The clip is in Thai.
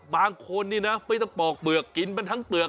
บางคนนี่นะไม่ต้องปอกเปลือกกินมันทั้งเปลือก